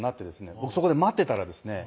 僕そこで待ってたらですね